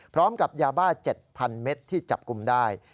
พร้อมกับยาบ้า๗๐๐เมตรที่จับกลุ่มได้